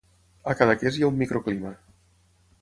A Cadaqués hi ha un microclima.